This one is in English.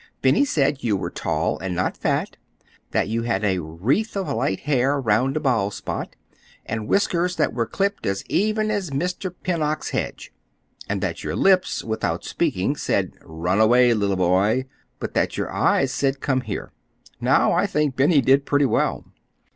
"Benny said you were tall and not fat; that you had a wreath of light hair 'round a bald spot, and whiskers that were clipped as even as Mr. Pennock's hedge; and that your lips, without speaking, said, 'Run away, little boy,' but that your eyes said, 'Come here.' Now I think Benny did pretty well."